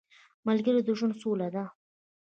ملګری د ژوند سوله ده